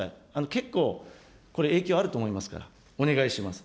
結構これ、影響あると思いますから、お願いします。